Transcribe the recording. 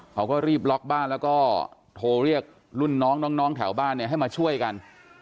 เขาก็รีบล็อกบ้านแล้วก็โทรเรียกรุ่นน้องน้องแถวบ้านเนี่ยให้มาช่วยกัน